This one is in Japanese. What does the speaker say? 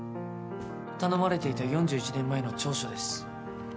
頼まれていた４１年前の調書です。